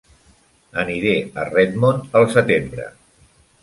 Aniré a Redmond al setembre.